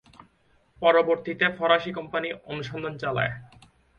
পরবর্তীতে ফরাসি কোম্পানি অনুসন্ধান চালায়।